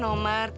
itu aja teh